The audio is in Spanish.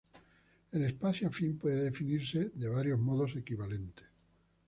El espacio afín puede definirse de varios modos equivalentes.